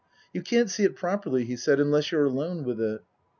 " You can't see it properly," he said, " unless you're alone with it."